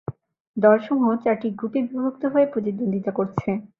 দলসমূহ চারটি গ্রুপে বিভক্ত হয়ে প্রতিদ্বন্দ্বিতা করছে।